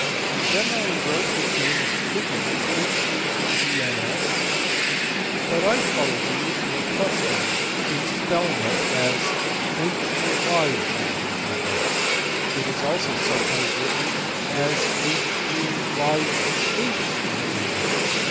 He generally wrote his name as Hugens, but I follow the usual custom in spelling it as above : it is also sometimes written as Huyghens.